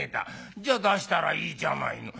「じゃ出したらいいじゃないの」。